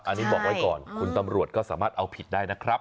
อันนี้บอกไว้ก่อนคุณตำรวจก็สามารถเอาผิดได้นะครับ